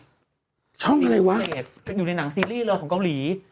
เป็นช่วงอยู่ในหนังซีรีส์เรื่องเกาหลี